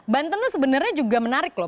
banten itu sebenarnya juga menarik loh